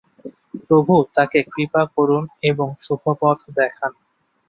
প্রভু তাঁকে কৃপা করুন এবং শুভপথ দেখান।